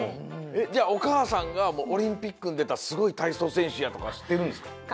じゃあおかあさんがオリンピックにでたすごいたいそうせんしゅやとかしってるんですか？